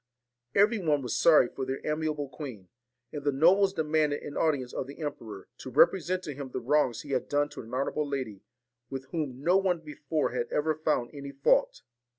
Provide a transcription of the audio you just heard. Every one was sorry for their amiable queen; and the nobles demanded an audience of the emperor, to represent to him the wrongs he had done to an honourable lady, with whom no one before had ever found any fault.